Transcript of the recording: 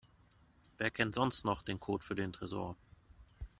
Wer kennt sonst noch den Code für den Tresor?